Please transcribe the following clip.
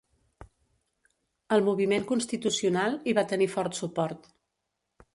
El moviment constitucional hi va tenir fort suport.